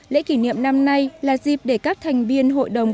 lễ kỷ niệm năm nay là dịp để các thành viên hội đồng